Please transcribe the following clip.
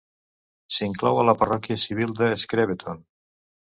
S'inclou a la parròquia civil de Screveton.